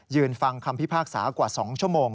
ฟังคำพิพากษากว่า๒ชั่วโมง